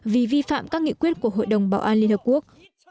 vì vi phạm các nghị quyết của hội đồng bảo an liên hợp quốc